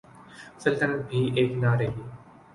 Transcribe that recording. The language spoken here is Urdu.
سلطنت بھی ایک نہ رہی۔